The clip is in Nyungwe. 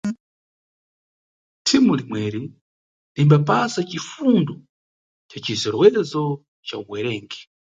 Thimu limweri limbapasa cifundo na cizerewezo ca uwerengi.